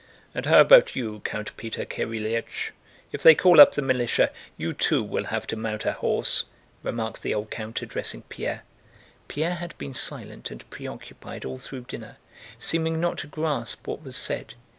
"And how about you, Count Peter Kirílych? If they call up the militia, you too will have to mount a horse," remarked the old count, addressing Pierre. Pierre had been silent and preoccupied all through dinner, seeming not to grasp what was said.